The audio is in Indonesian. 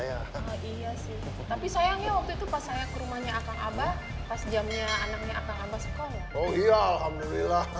iya sih tapi sayangnya waktu itu pas saya ke rumahnya akang abah pas jamnya anaknya akang abah sekolah